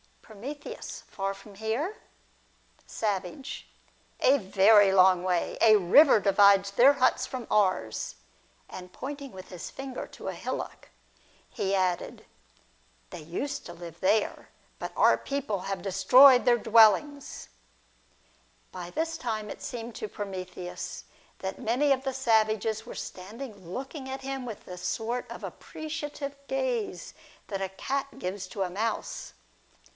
From. Far from here ? Savage. A very long way. A river divides their huts from ours. And pointing with his finger to a hillock, he ^ See Robertson's Hist, of America, Book VI. THE WAGER OF PROMETHEUS. 53 added: They used to live there, but our people have destroyed their dwellings. By this tirae it seemed to Prometheus that many of the savages were standing looking at him with the sort of appreciative gaze that a cat gives to a mouse.